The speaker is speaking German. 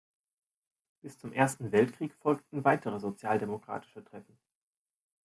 Bis zum Ersten Weltkrieg folgten weitere sozialdemokratische Treffen.